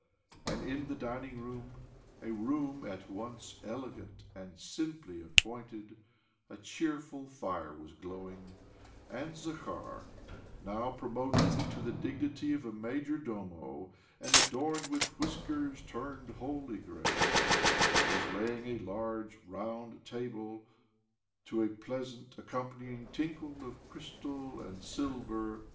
... And in the dining room— a room at once elegant and simply appointed— a cheerful fire was glowing, and Zakhar, now promoted to the dignity of a major domo, and adorned with whiskers turned wholly grey, was laying a large, round table to a pleasant accompany ing tinkle of crystal and' silver as he ' Three stringed, lute like instrupients.